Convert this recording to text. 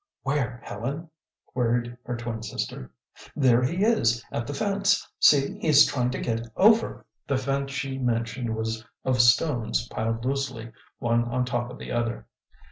"Where, Helen?" queried her twin sister. "There he is, at the fence. See, he is trying to get over!" The fence she mentioned was of stones piled loosely, one on top of the other.